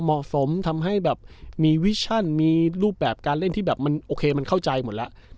เหมาะสมทำให้แบบมีวิชั่นมีรูปแบบการเล่นที่แบบมันโอเคมันเข้าใจหมดแล้ว